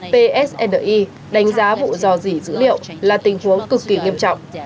psni đánh giá vụ dò dỉ dữ liệu là tình huống cực kỳ nghiêm trọng